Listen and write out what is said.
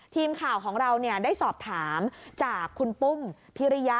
ทีมข่าวของเราได้สอบถามจากคุณปุ้มพิริยะ